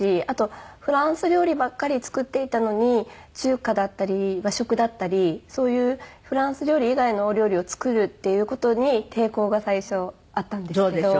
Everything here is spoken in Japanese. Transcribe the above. あとフランス料理ばっかり作っていたのに中華だったり和食だったりそういうフランス料理以外のお料理を作るっていう事に抵抗が最初あったんですけど。